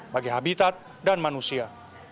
bagi habitat dan manusia